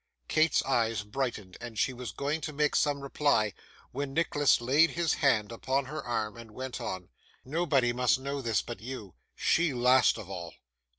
Kate's eyes brightened, and she was going to make some reply, when Nicholas laid his hand upon her arm, and went on: 'Nobody must know this but you. She, last of all.